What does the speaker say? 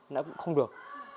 nó cũng không được